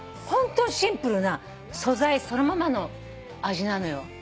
ホントにシンプルな素材そのままの味なのよ。